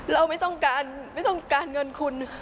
เราไม่ต้องการเงินคุณ